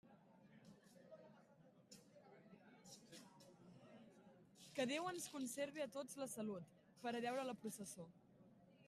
Que Déu ens conserve a tots la salut, per a veure la processó.